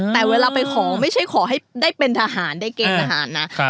แต่เวลาไปขอไม่ใช่ขอให้ได้เป็นทหารได้เกณฑ์ทหารนะ